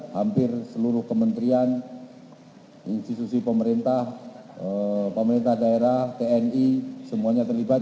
hampir seluruh kementerian institusi pemerintah pemerintah daerah tni semuanya terlibat